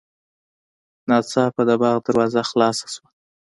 ناڅاپه د باغ دروازه خلاصه شوه.